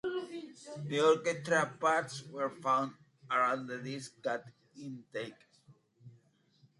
Orchestra parts were found and the disc was cut in one take.